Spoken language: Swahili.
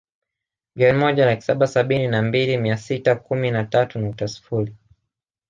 Bilioni moja laki saba sabini na mbili mia sita kumi na tatu nukta sifuri